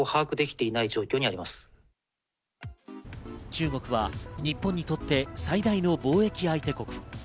中国は日本にとって最大の貿易相手国。